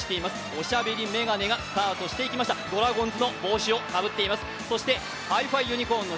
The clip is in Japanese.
おしゃべり眼鏡がスタートしていきました、ドラゴンズの帽子をかぶっています。